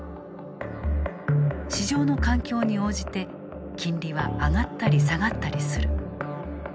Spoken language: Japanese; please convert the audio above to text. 市場の環境に応じて金利は上がったり下がったりする。